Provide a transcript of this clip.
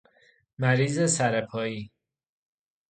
مریض سرپائی